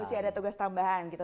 masih ada tugas tambahan gitu